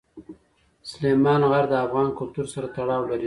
سلیمان غر د افغان کلتور سره تړاو لري.